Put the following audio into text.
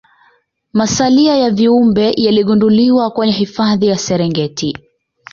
Masalia ya viumbe yaligunduliwa kwenye hifadhi ya serengeti